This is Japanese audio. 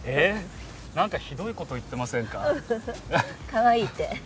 かわいいって。